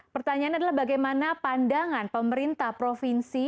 pertanyaan adalah bagaimana pandangan pemerintah provinsi